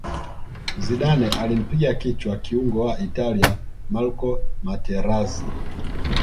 zidane alimpiga kichwa kiungo wa italia marco materazi